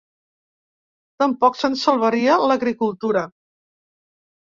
Tampoc se'n salvaria l'agricultura.